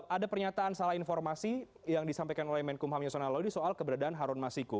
ada pernyataan salah informasi yang disampaikan oleh menkumham yasona laudi soal keberadaan harun masiku